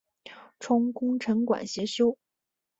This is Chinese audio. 充功臣馆协修。